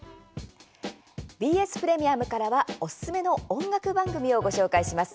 ＢＳプレミアムからはおすすめの音楽番組をご紹介します。